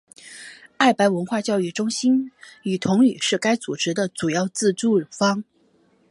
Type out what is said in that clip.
爱白文化教育中心与同语是该组织的主要资助方。